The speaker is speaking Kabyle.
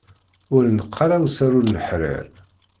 Ur ineqq ara usaru n leḥrir.